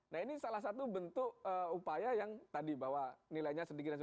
nah ini salah satu bentuk upaya yang tadi bahwa nilainya sedikit